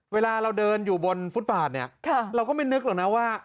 เวลาเราเดินอยู่บนฟุตบาทเนี่ยเราก็ไม่นึกหรอกนะว่า